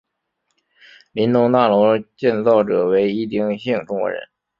林东大楼建造者为一丁姓中国人。